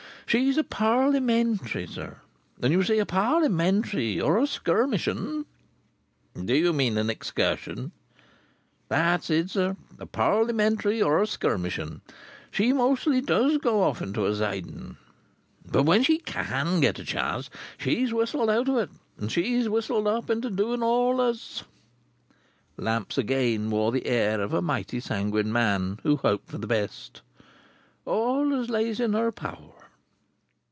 She's a Parliamentary, sir. And, you see, a Parliamentary, or a Skirmishun—" "Do you mean an Excursion?" "That's it, sir.—A Parliamentary, or a Skirmishun, she mostly doos go off into a sidin'. But when she can get a chance, she's whistled out of it, and she's whistled up into doin' all as," Lamps again wore the air of a highly sanguine man who hoped for the best, "all as lays in her power."